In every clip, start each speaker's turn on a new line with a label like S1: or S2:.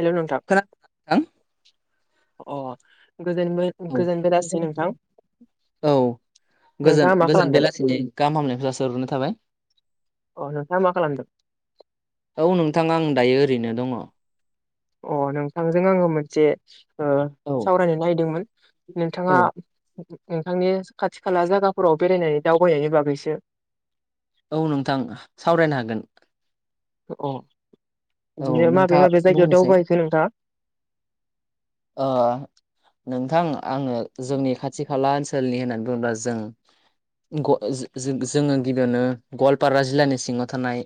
S1: हेल' नोंथां।
S2: खोनादों नोंथां
S1: अह गोजोन मो
S2: औ
S1: गोजोन बेलासि नोंथां।
S2: औ गोजोन
S1: नोंथाङा मा
S2: गोजोन
S1: खालामदों
S2: बेलासिनि गाहाम हामग्लायनायखौ जासिहरग्रोनाय थाबाय।
S1: अह नोंथाङ मा खालामदों?
S2: औ नोंथा आं दायो ओरैनो दङ।
S1: अह नोंथांजों आङो मोनसे सावरायनो ओ सावरायनो नायदोंमोन। नोंथाङा नोंथांनि खाथि खाला जागाफोराव बेरायनानै दावबायनायनि बागैसो
S2: औ नोंथां सावरायनो हागोन।
S1: अह।
S2: औ
S1: इदिनो माबे
S2: नोंथाङा
S1: माबे जायगायाव
S2: बुंनोसै
S1: दावबायहैखो नोंथाङा?
S2: ओ नोंथां आङो जोंनि खाथि खाला ओनसो सोलनि होननानै बुङोब्ला जों ग ओ जो-जो-जोङो गिबियावनो गवालपारा जिल्लानि सिङाव थानाय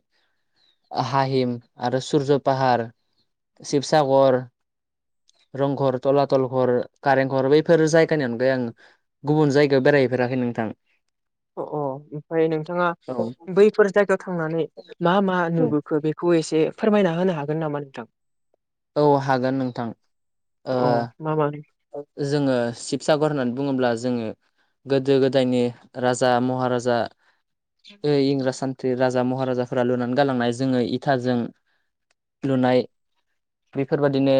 S2: हाहिम आरो सुरज' पाहार शिबसागर रंघर तलातल घर कारेंघर बैफोर जायगानि अनगायै आं गुबुन जायगायाव बेरायहैफेराखै नों थां।
S1: अह अह। ओमफाय नोंथाङा बैफोर जायगायाव थांनानै मा मा नुबोखो बेखौ एसे फोरमायना होनो हागोन नामा नोंथां?
S2: औ हागोन नोंथां।
S1: अ मा मा
S2: जोङो शिबसागर होननानै बुङोब्ला जोङो गोदो गोदायनि राजा महाराजा ओ इंराज सान्थ्रि रा जा महाराफोरा लुनानै गालांनाय जोङो इथाजों लुनाय बेफोरबादिनो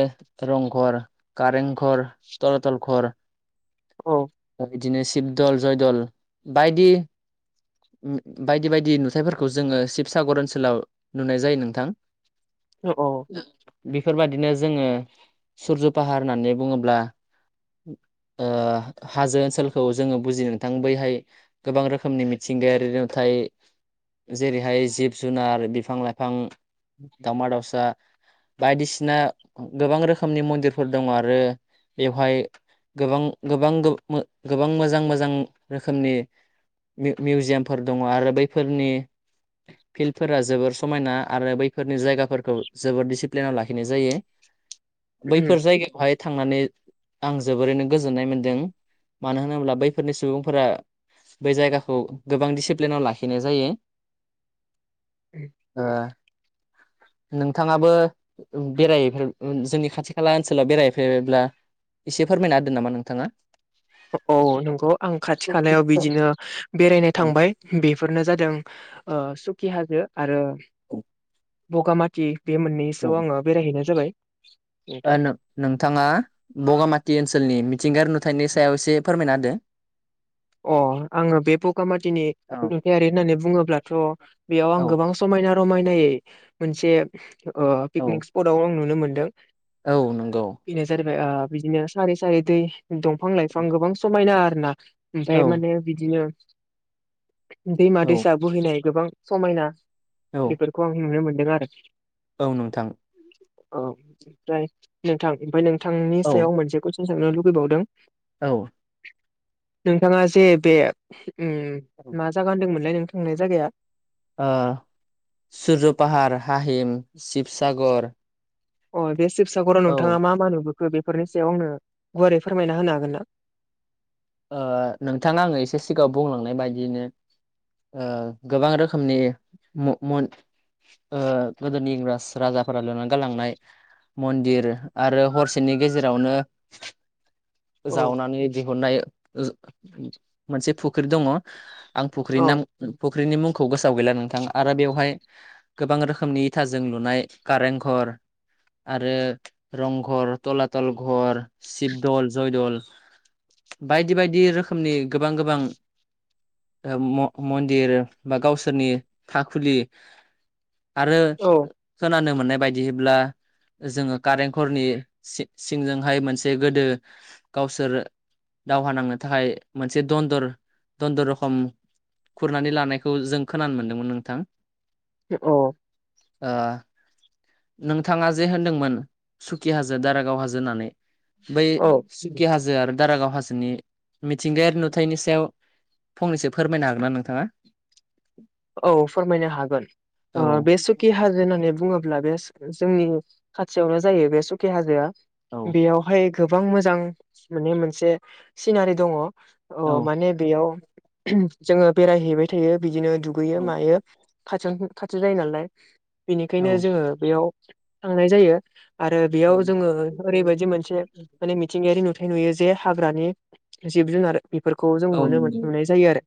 S2: रंघर कारेंघर तलातल घर
S1: औ।
S2: बिदिनो शिबदल, जयदल बायदि बायदि बायदि नुथाइफोरखौ जोङो शिबसागर ओनसोलाव नुनाय जायो नोंथां।
S1: ओ अह।
S2: बिफोरबादिनो जोङो सुर्यु पाहार होननानै बुङोब्ला ओ हाजो ओनसोलखौ जोङो बुजियो नोंथां। बैहाय गोबां रोखोमनि मिथिंगायारि नुथाय [unintelligible] जेरैहाय जिब जुनार, बिफां लाइफां, दावमा दाावसा बायदिसिना गोबां रोखोमनि मन्दिरफोर दङ आरो बेवहाय गोबां गोबां गो-गोबां मोजां मोजां रोखोमनि मि-मिउजियामफोर दङ आरो बैफोरनि फिल्डफोरा जोबोर समायना आरो बै फोरनि जायगाफोरखौ जोबोद दिसिप्लिनाव लाखिनाय जायो। बैफोर
S1: उम
S2: जायगायावहाय थांनानै आं जोबोरैनो गोजोननाय मोनदों। मानो होनोब्ला बैफोरनि सुबुंफोरा बै जायगाखौ गोबां दिसिप्लिनाव लाखिनाय जायो। ओ
S1: [inaudible]
S2: नोंथाङाबो बेरायफेर ओ जोंनि खाथि खाला ओनसोलाव बेरायहैफेरबायब्ला एसे फोरमायना होदो नामा नोंथाङा?
S1: औ नंगौ आं खाथि खालायाव बिदिनो बेरायनो
S2: ओ
S1: थांबाय । बेफोरनो जादों ओ सुखि हाजो आरो बगामाथि बे मोननैसोआव आङो बेरायहैनाय जाबाय ।
S2: ओ नों-नोंथाङा बगामाथि ओनसोलनि मिथिंगारि नुथायनि सायाव एसे फोरमायना होदो
S1: अ आङो बे बगामाथिनि नुथायारि होननानै बुङोब्लाथ' बेयाव आं
S2: औ
S1: गोबां समायना रमायनायै मोनसे ओ
S2: औ
S1: पिकनिक स्पटआव आं नुनो मोनदों
S2: औ नंगौ
S1: । जारिबाय आ बिदिनो सारै सारै दै दंफां लाइफां गोबां समायना आरो ना ओमफाय
S2: औ
S1: माहोनो बिदिनो दैमा,
S2: औ
S1: दैसा बोहैनाय गोबां समायना बेफोरखौ आं नुनो मोनदों आरो
S2: औ नोंथां ।
S1: औ ओमफ्राय नोंथां । ओमफ्राय नोंथांनि
S2: औ
S1: सायाव मोनसे कुइसन सोंनो लुुबैबावदों ।
S2: औ ।
S1: नोंथाङा जे बे ओम मा जागा होनदोंमोनलाय नोंथां होननाय जागाया?
S2: ओ सुरज' पाहार, हाहिम, सिशिबसागर
S1: अ बे सिशिबसागराव नोंथाङा मा मा नुबो बेफोरनि सायाव आंनो गुवारै फोरमायना होनो हागोन ना?
S2: ओ नोंथाङा आङो एसे सिगाङाव बुंलांनाय बायदियैनो ओ गोबां रोखोमनि म-म ओ गोदोनि इंराज राजाफोरा लुनानै गालांनाय । मन्दिर आरो हरसेनि गेजेरावनो
S1: औ
S2: जावनानै दिहुननाय जो मोनसे फुख्रि दङ आं फुख्रिनि
S1: औ
S2: नाम फ फुख्रिनि मुंखौ गोसोआव गैला नोंथां । आरो बेवहाय गोबां रोखोमनि इथाजों लुनाय कारेंघर आरो रंघ, तलाथल घर, सिशिबदल, जयदल बायदि बायदि रोखोमनि गोबां गोबां ओ म-मन्दिर बा गावसोरनि थाखुलि आरो
S1: औ
S2: खोनानो मोननाय बायदिब्ला जोङो कारेंघरनि सि-सिंजोंहाय मोनसे गोदो गावसोर दावहा नांनो थाखाय मोनसे दन्दर दन्दर रखम खुरनानै लानायखौ जों खोनानो मोनदोंमोन नोंथां ।
S1: अ
S2: आ नोंथाङा जे होनदोंमोन सुकि हाजो, दारागाव हाजो होननानै बै
S1: औ
S2: सुकि हाजो आरो दारागाव हाजो जोंनि मिथिंगायारि नुथायनि सायाव फंनैसो फोरमायनो हागोन ना नोंथाङा?
S1: औ फोरमायनो हागोन ।
S2: औ
S1: ओ बे सुकि हाजो होननानै बुङोब्ला बे जोंनिनो खाथियावनो जायो बे सुखि हाजोआ
S2: औ
S1: । बेयावहाय गोबां मोजां माने मोनसे सिनारि दङ
S2: औ
S1: ओ माने बेयाव जोङो बेरायहैबाय थायो । बिदिनो दुगैयो मायो खाथियावनो खाथि जायो नालाय
S2: औ औ
S1: बेनिखायनो जोङो बेयाव थांनाय जायो । आरो बेयाव जोङो ओरैबायदि मोनसे माने मिथिंगायारि नुथाय थाय नुयो जे हाग्रानि जिब जुनार बेफोरखौ जों नुनो मोननाय जायो आरो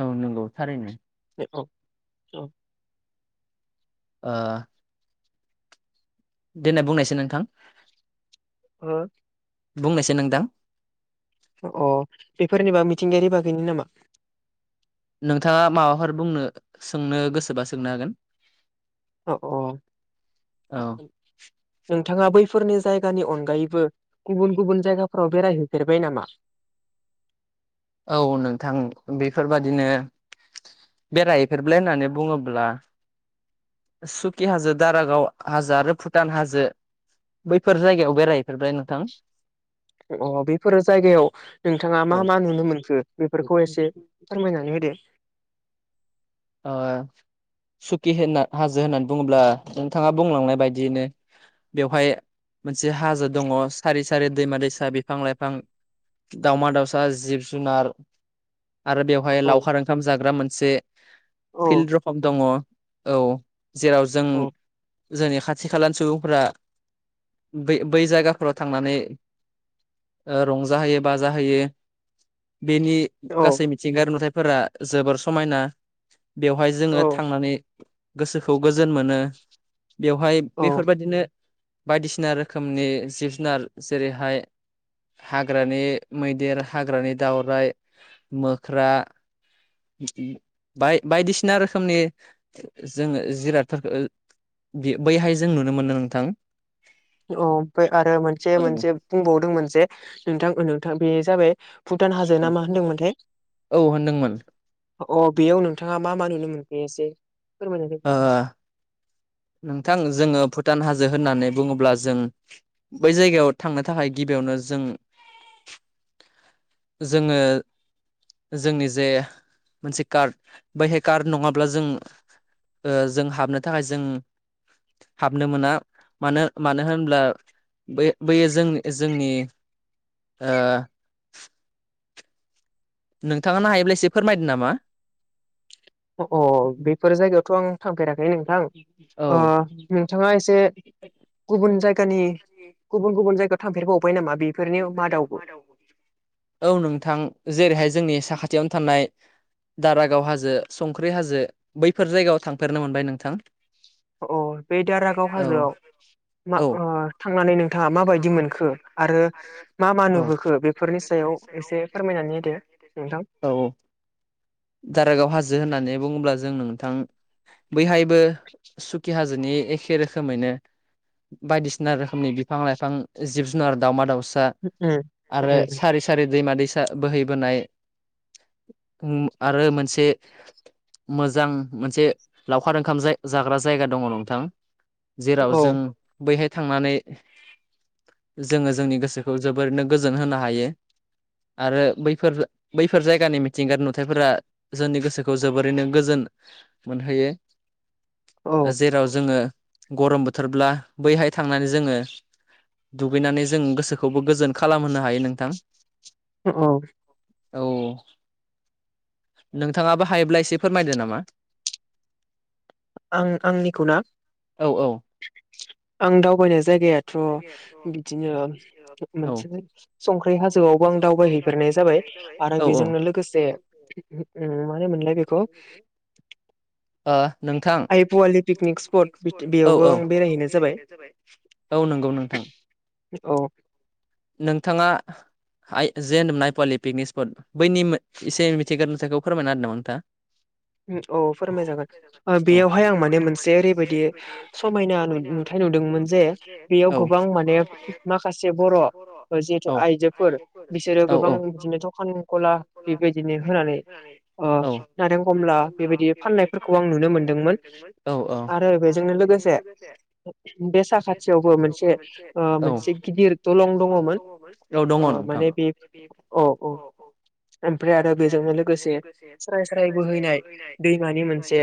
S2: औ नंगौ थारैनो
S1: [unintelligible] अ
S2: ओ देनाय बुंनायसै नोंथां ।
S1: हो
S2: बुंनायसाय नोंथां
S1: अ बेफोरनिबा मिथिंगायारि बागैनो नामा?
S2: नोंथाङा माबाफोर बुंनो सोंनो गोसोबा सोंनो हागोन।
S1: अ अ
S2: औ
S1: नोंथांआ बैफोरनि जायगानि अनगायैबो गुबुन गुबुन जायगाफोराव बेरायहैफेरबाय नामा? [inaudible]
S2: औ नोंथां बेफोरबादिनो बेरायहै फेरबाय होननानै बुङोब्ला सुखि हाजो दारागाव हाजो आरो भुटान हाजो बैफोर जायगायाव बेरायहैफेरबाय नोंथां
S1: अ बेफोरो जायगायाव नोंथाङा मा
S2: औ
S1: मा नुनो मोनखो बेफोरखौ एसे फोरमायनानै होदो
S2: ओ सुखि होनना हाजो होननानै बुङोब्ला नोंथांआ बुंलांनाय बायदियैनो बेवहाय मोनसे हाजो दं सारि सारि दैमा दैसा बिफां लाइफां दावमा दावसा जिब जुनार आरो बेवहाय
S1: औ
S2: लावखार ओंखाम जाग्रा मोनसे
S1: औ
S2: फिल्ड रकम दङ औ जेराव जों
S1: औ
S2: जोंनि खाथि खालानि सुबुंफोरा बै बै जायगाफोराव थांनानै रंजाहोयो बाजाहोयो बेनि
S1: औ
S2: गासै मिथिंगायारि नुथायफोरा जोबोर समायना बेवहाय जों
S1: औ
S2: थांनानै गोसोखौ गोजोन मोनो बेवहाय
S1: औ
S2: बेफोरबायदिनो बायदिसिना रोखोमनि जिब जुनार जेरैहाय हाग्रानि मैदेर हाग्रानि दावरायाइ मोख्रा बाय बायदिसिना रोखोमनि जोङो जिरादफोरखौ बे बैहाय जों नुनो मोनो नोंथां
S1: ओ ओमफ्राय आरो मोनसे मोनसे बुंबावदों मोनसे नोंथां नोंथां बेनो जाबाय भुटान हाजो ना मा होनदोंमोनथाय
S2: औ होनदोंमोन
S1: अओ बेयाव नोंथांआ मा मा नुनो मोनखो एसे फोरमायनायै
S2: ओ नोंथां जोङो भुटान हाजो होननानै बुङोब्ला जों बै जायगायाव थांनो थाखाय गिबियावनो जों
S1: [inaudible]
S2: जोङो जोंनि जे मोनसे कार्ड बैहाय कार्ड नङाब्ला जों जों हाबनो थाखाय जों
S1: [inaudible]
S2: हाबनो मोना मानो मानो होनब्ला बे बैयो जोंनि [inaudible] नोंथाङानो हायोब्ला एसे फोरमायदों नामा?
S1: अ बेफोर जायगायावथ' आं थांफेराखै नोंथां
S2: औ
S1: नोंथांआ एसे गुबुन जायगा जायगानि गुबुन गुबुन जायगायाव थांफेरबावबाय नामा? बेफोरनि
S2: बेफोर नि‌
S1: मादावबो
S2: मादाव औ नोंथां जेरैहाय जोंनि साखाथि खाथिआवनो थानाय दारागाव हाजो हुमखि हाजो बैफोर जायगायाव थांफेरनो मोनबाय नोंथां
S1: अ बे दारागाव
S2: औ
S1: हाजोआव मा
S2: औ
S1: थांनानै नों नोंथांआ माबायदि मोनखो आरो मा मा
S2: औ
S1: नुबोखो बेफोरनि सायाव एसे फोरमायनानै होदो नोंथां
S2: औ दारागाव हाजो होननानै बुङोब्ला जों नोंथां बैहायबो सुखि हाजो नि एखे रोखोमैनो बायदिसिना रोखोमनि बिफां लाइफां जिब जुनार दाउमा दाउसा
S1: उम
S2: सा आरो
S1: उम
S2: सारि सारि दैमा दैसा बोहैबोनाय उम आरो मोनसे मोजां मोनसे लावखार ओंखाम जाग्रा ओ जायगा दं नोंथां जेराव
S1: औ
S2: जों बैहाय थांनानै
S1: [inaudible]
S2: जोङो जोंनि गोसोखौ जोबोरैनो गोजोन होनो हायो। आरो बैफोर बैफोर जायगानि मिथिंगारि नुथायफोरा जोंनि गोसोखौ जोबोरैनो गोजोन मोनहोयो।
S1: औ
S2: जेराव जोंङो गरम बोथोरब्ला बैहाय थांनानै जोङो दुगैनानै जों गोसोखौबो गोजोन खालामहोनो हायो नोंथां।
S1: अ।
S2: औ। नोंथाङाबो हायोब्ला एसे फोरमायदो नामा?
S1: आं आंनिखौ ना
S2: औ औ।
S1: आं दावबायनाय जायगाया थ' बिदिनो
S2: औ
S1: मोनसे संख्रै हाजोआवबो आं दावबायहैफेरनाय जाबाय। आरो
S2: औ औ
S1: बेजोंनो लोगोसे मा होनोमोनलाय बेखौ
S2: ओ नोंथां
S1: आइ पवालि पिकनिक स्पट
S2: औ
S1: बेयावबो
S2: औ
S1: आं बेरायहैनाय जाबाय
S2: । नंगौ नोंथां।
S1: औ
S2: नोंथाङा हाय जे होन्दोमोन नायपवालि पिकनिक स्पट बैनि मो इसे मिथिंगायारि नुथाइखौ फोरमायना होदो नामा नोंथाङा
S1: [inaudible] औ फोरमाय जागोन। ओ बेयावहाय आं माने मोनसे ओरैबायदि समायना नु- नुथाय नुदों मोन जे बेयाव
S2: औ
S1: गोबां माने माखासे ग' थ'
S2: औ
S1: जिहेतु आइजोफोर बिसोरो
S2: औ
S1: गोबां बिदिनो दखाननि गला बेबायदिनो होना अ [unintelligible]
S2: नारें कमला बेबायदि फाननायफोरखौ आं नुनो मोनदोंमोन औ अ आरो बेजोंनो लोगोसे
S1: बे साखाथियावबो मोनसे ओ
S2: औ
S1: मोनसे गिदिर द लं दङ'मोन
S2: औ दङ
S1: ओ
S2: नोंथां
S1: माने बे औ औ ओमफ्राय आरो बेजोंनो लोगोसे स्राय स्राय बो हैनाय दैमानि मोनसे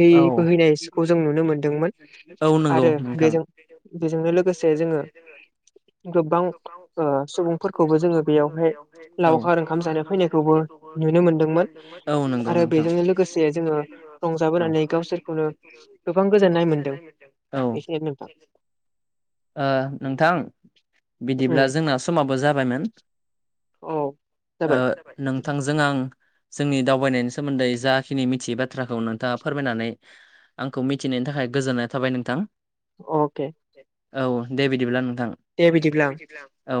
S1: दै
S2: औ
S1: बोहैनायसखौ जों नुनो मोनदोंमोन।
S2: औ नंगौ
S1: आरो
S2: नोंथां
S1: बेजों बेजोंनो लोगोसे जोङो गोबबां ओ सुबुंफोरखौबो जोंङो बेयावहाय
S2: औ
S1: लावखार ओंखाम जानो फैनायखौबो नुनो मोनदोंमोन।
S2: औ नंगौ
S1: आरो
S2: नोंथां
S1: बेजोंनो लोगोसे जोङो
S2: औ
S1: रंजाबोनानै गावसोरखौनो गोबां गोजोननाय मोनदों।
S2: औ ओ
S1: बेखिनियानो नोंथां
S2: नोंथां बिदिब्ला
S1: उम
S2: जोंना समाबो जाबायमोन।
S1: औ
S2: ओ
S1: जाबाय
S2: नोंथांजों आं जोंनि दावबायनायनि सोमोन्दै जाखिनि मिथियै बाथ्राखौ नोंथाङा फोरमायनानै आंखौ मिथिहोनायनि थाखाय गोजोननाय थाबाय नोंथां।
S1: अके।
S2: औ दे बिदिब्ला नोंथां दे बिदिब्ला औ।